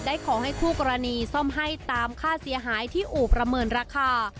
ของให้คู่กรณีซ่อมให้ตามค่าเสียหายที่อู่ประเมินราคา